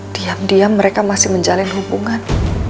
diam diam mereka masih menjalin hubungan